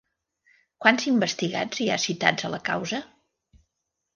Quants investigats hi ha citats a la causa?